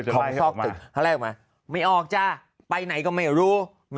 ของซอกตึกครั้งแรกออกมาไม่ออกจ้าไปไหนก็ไม่รู้